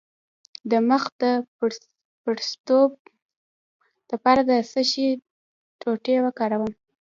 د مخ د پړسوب لپاره د څه شي ټوټې وکاروم؟